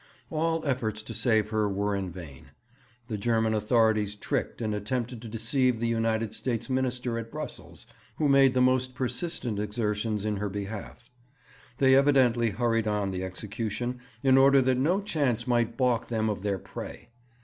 All efforts to save her were in vain. The German authorities tricked and attempted to deceive the United States Minister at Brussels, who made the most persistent exertions in her behalf. They evidently hurried on the execution in order that no chance might baulk them of their prey.